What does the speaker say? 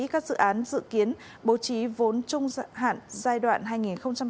các dự án dự kiến bố trí vốn trung hạn giai đoạn hai nghìn hai mươi một hai nghìn hai mươi năm